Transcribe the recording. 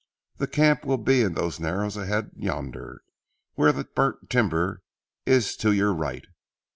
The camp will be in those narrows ahead yonder where that burnt timber is to your right.